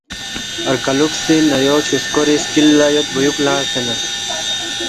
رگالوکھسی نایو چھوسکوری سکل لا یود بیوک لنگسے نہ